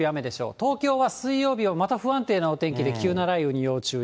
東京は水曜日はまた不安定なお天気で、急な雷雨に要注意。